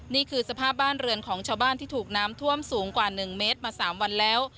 นี่คือสภาพบ้านเรือนของชาวบ้านที่ถูกน้ำท่วมสูงกว่า๑เมตรมา๓วันแล้ว